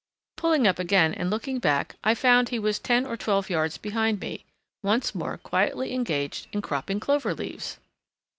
Pulling up again and looking back I found he was ten or twelve yards behind me, once more quietly engaged in cropping clover leaves!